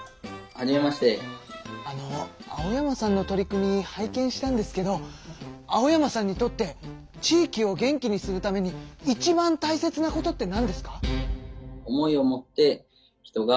あの青山さんの取り組み拝見したんですけど青山さんにとって地域を元気にするためにいちばんたいせつなことってなんですか？